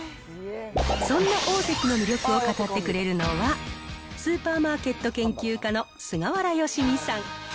そんなオオゼキの魅力を語ってくれるのは、スーパーマーケット研究家の菅原佳己さん。